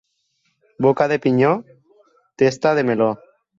Boca de pinyó, testa de meló.